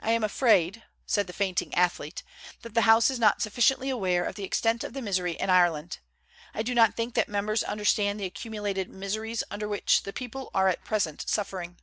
"I am afraid," said the fainting athlete, "that the House is not sufficiently aware of the extent of the misery in Ireland. I do not think that members understand the accumulated miseries under which the people are at present suffering.